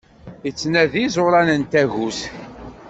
Ittnadi iẓuran n tagut!